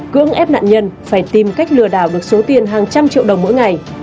cưỡng ép nạn nhân phải tìm cách lừa đảo được số tiền hàng trăm triệu đồng mỗi ngày